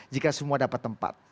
jika semua dapat tempat